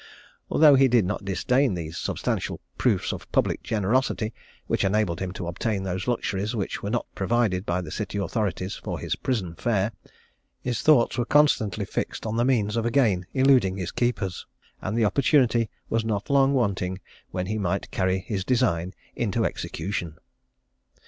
Although he did not disdain these substantial proofs of public generosity, which enabled him to obtain those luxuries, which were not provided by the city authorities for his prison fare, his thoughts were constantly fixed on the means of again eluding his keepers; and the opportunity was not long wanting when he might carry his design into execution.